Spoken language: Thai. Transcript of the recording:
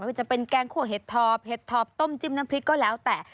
ว่าจะเป็นแกงคั่วเห็ดทอบเห็ดทอบต้มจิ้มน้ำพริกก็แล้วแต่